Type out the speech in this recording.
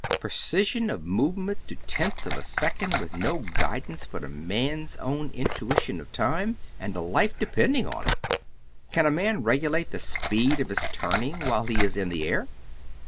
Precision of movement to tenths of a second, with no guidance but a man's own intuition of time, and a life depending on it! "Can a man regulate the speed of his turning while he is in the air?"